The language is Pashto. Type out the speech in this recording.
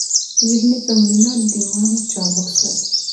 ذهني تمرینات دماغ چابک ساتي.